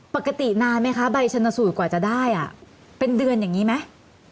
ปกตินานไหมคะใบชนสูตรกว่าจะได้เป็นเดือนอย่างนี้ไหม